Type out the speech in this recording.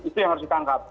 itu yang harus ditangkap